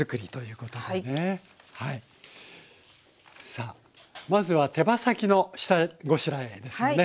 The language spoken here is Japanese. さあまずは手羽先の下ごしらえですよね。